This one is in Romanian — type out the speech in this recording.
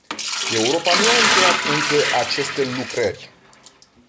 Europa nu a încheiat încă aceste lucrări.